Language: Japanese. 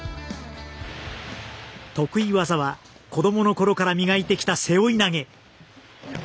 得意技は子どものころから磨いてきた背負い投げ。